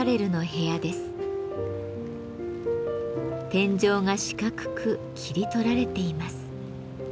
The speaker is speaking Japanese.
天井が四角く切り取られています。